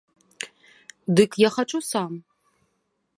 Дык я хачу сам.